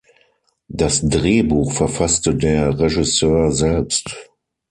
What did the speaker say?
Das Drehbuch verfasste der Regisseur selbst.